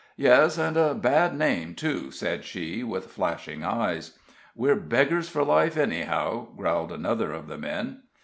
"Yes, and a bad name, too," said she, with flashing eyes. "We're beggars for life, anyhow," growled another of the men.